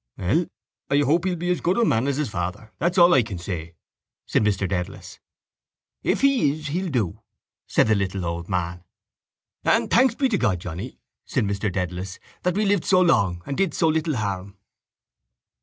—Well, I hope he'll be as good a man as his father. That's all I can say, said Mr Dedalus. —If he is, he'll do, said the little old man. —And thanks be to God, Johnny, said Mr Dedalus, that we lived so long and did so little harm.